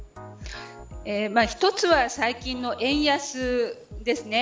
１つは最近の円安ですね。